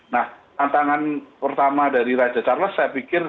nah tantangan pertama dari raja charles saya pikir